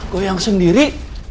gak yang sendiri